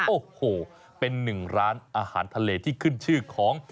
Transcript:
โอ้โหเป็นหนึ่งร้านอาหารทะเลที่ขึ้นชื่อของ